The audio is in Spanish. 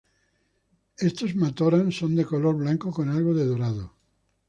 Estos matoran son de color blanco con algo de dorado.